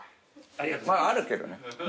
まああるけどね。